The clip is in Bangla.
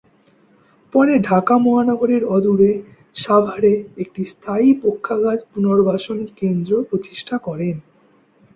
পরে ঢাকা মহানগরীর অদূরে সাভারে একটি স্থায়ী পক্ষাঘাত পুনর্বাসন কেন্দ্র প্রতিষ্ঠা করেন।